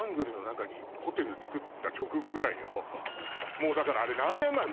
もうだからあれ何年前？